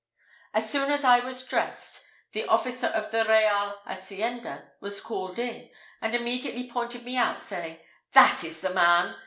As soon as I was dressed, the officer of the real hacienda was called in, and immediately pointed me out, saying, "That is the man!"